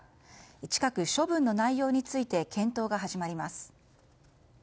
近く処分の内容について検討が始まります。